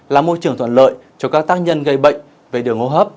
là môi trường thuận lợi cho các tác nhân gây bệnh về đường hô hấp